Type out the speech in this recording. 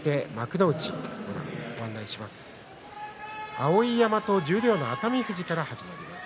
碧山と十両の熱海富士から始まります。